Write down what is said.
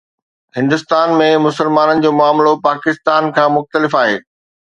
هندستان ۾ مسلمانن جو معاملو پاڪستان کان مختلف آهي.